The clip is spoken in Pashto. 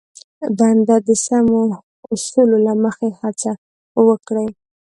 بنده د سمو اصولو له مخې هڅه وکړي.